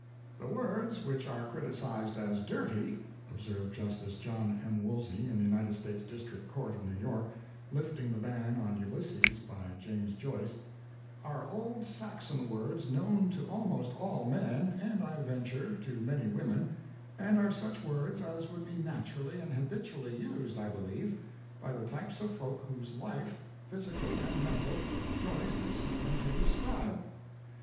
"The words which are criticised as dirty," observed justice John M. Woolsey in the United States District Court of New York, lifting the ban on Ulysses by James Joyce, "are old Saxon words known to almost all men and, I venture, to many women, and are such words as would be naturally and habitually used, I believe, by the types of folk whose life, physical and mental, Joyce is seeking to describe."